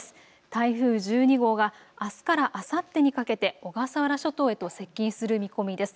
台風１２号があすからあさってにかけて小笠原諸島へと接近する見込みです。